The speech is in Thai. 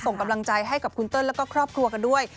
ส่งกำลังใจให้กับคุณเติ้ลแล้วก็ครอบครัวกันด้วย